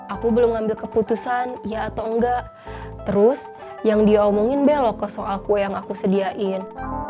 aku belum ngambil keputusan ya atau enggak terus yang dia omongin belok ke soal kue yang aku sediain